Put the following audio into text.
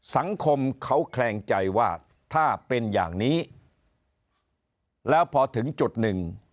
สังคมเขาแคลงใจว่าถ้าเป็นอย่างนี้แล้วพอถึงจุดหนึ่ง